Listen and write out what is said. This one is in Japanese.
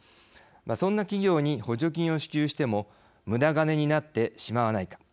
そんな企業に補助金を支給してもむだ金になってしまわないか。